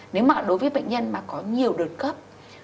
nếu mà đối với bệnh nhân mà có nhiều đợt cấp